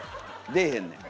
出えへんねん。